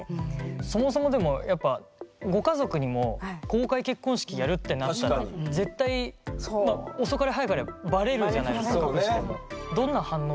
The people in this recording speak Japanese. そもそもでもやっぱご家族にも公開結婚式やるってなったら絶対遅かれ早かれバレるじゃないですか隠しても。